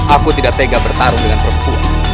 aku tidak tega bertarung dengan perempuan